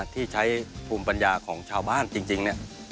ที่ใช้ภูมิปัญญาของชาวบ้านจริง